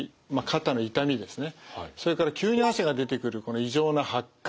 それから急に汗が出てくるこの異常な発汗。